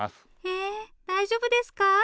え大丈夫ですか？